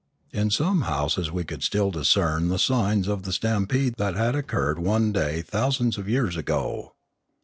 In some houses we could still discern the signs of the stampede that had occurred one day thousands of years ago.